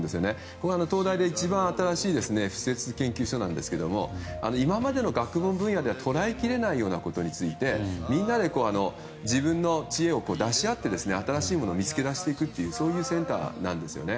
ここは東大で一番新しい敷設研究所なんですが今までの学問分野では捉えきれないようなことについてみんなで自分の知恵を出し合って新しいものを見つけ出していくというセンターなんですよね。